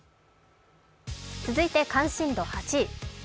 続いて関心度８位。